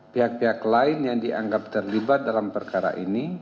pihak pihak lain yang dianggap terlibat dalam perkara ini